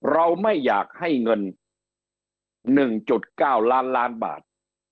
เราไม่อยากให้เงิน๑๙ล้านล้านบาท